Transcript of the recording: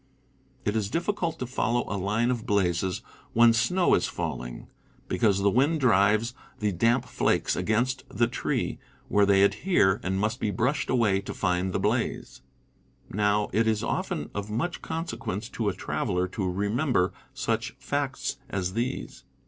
It is diflScult to follow a line of blazes when snow is falling, because the wind drives the damp flakes against the tree, where they adhere, and must be brushed away to find the blaze. Now, it is often of much consequence to a traveler to remember such facts as these.